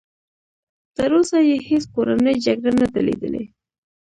تر اوسه یې هېڅ کورنۍ جګړه نه ده لیدلې.